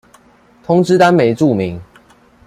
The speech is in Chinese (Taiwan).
通知單沒註明